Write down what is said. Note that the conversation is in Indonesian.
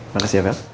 makasih ya bel